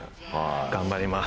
頑張ります。